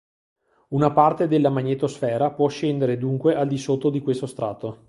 Una parte della magnetosfera può scendere dunque al di sotto di questo strato.